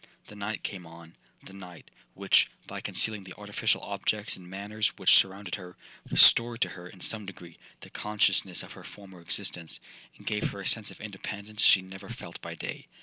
The night came on,—the night, which, by concealing the artificial objects and manners which surrounded her, restored to her, in some degree, the consciousness of her former existence, and gave her a sense of independence she never felt by day.